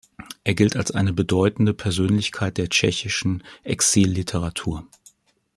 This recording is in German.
Er gilt als eine bedeutende Persönlichkeit der tschechischen Exilliteratur.